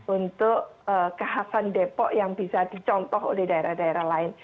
untuk kehasan depok yang bisa dicontoh oleh daerah daerah lain